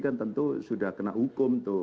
kan tentu sudah kena hukum tuh